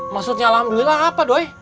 maksudnya alhamdulillah apa doi